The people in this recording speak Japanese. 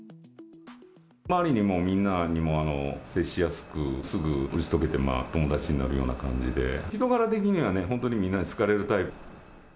周りにも、みんなにも接しやすく、すぐ打ち解けて友達になるような感じで、人柄的には本当にみんなに好かれるタイプ。